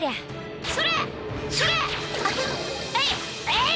えい！